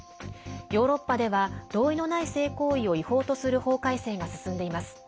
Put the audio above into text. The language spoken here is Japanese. ヨーロッパでは同意のない性行為を違法とする法改正が進んでいます。